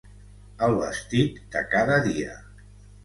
El vestit de cada dia.